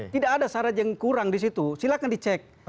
tidak ada syarat yang kurang disitu silahkan dicek